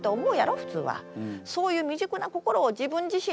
普通は。